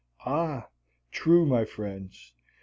Ah, true, my friends.